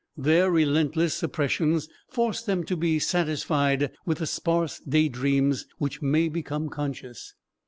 Their relentless suppressions force them to be satisfied with the sparse day dreams which may become conscious.